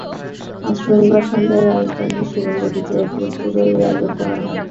আজ শনিবার সন্ধ্যায় রাজধানীর সেগুনবাগিচায় এক রেস্তোরাঁয় এ আয়োজন করা হয়।